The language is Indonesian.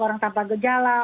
orang tanpa gejala